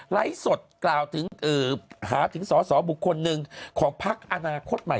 สดกล่าวถึงหาถึงสอสอบุคคลหนึ่งของพักอนาคตใหม่